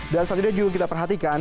dan selanjutnya juga kita perhatikan